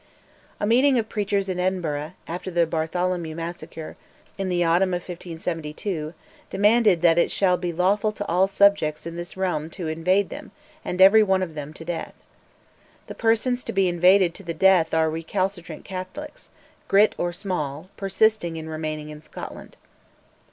A meeting of preachers in Edinburgh, after the Bartholomew massacre, in the autumn of 1572, demanded that "it shall be lawful to all the subjects in this realm to invade them and every one of them to the death." The persons to be "invaded to the death" are recalcitrant Catholics, "grit or small," persisting in remaining in Scotland.